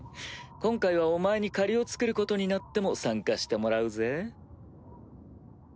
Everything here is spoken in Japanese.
今回はお前に借りをつくることになっても参加してもらうぜ？